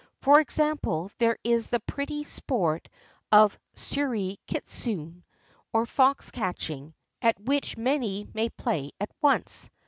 For example, there is the pretty sport of tsuri kitsune, or "fox catching," at which many may play at once.